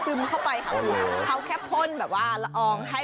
เอาวางออกไป